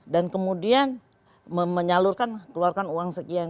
dan kemudian menyalurkan keluarkan uang sekian